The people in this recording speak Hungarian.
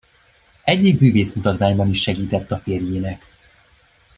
Egyik bűvészmutatványban is segített a férjének.